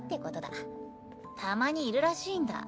たまにいるらしいんだ。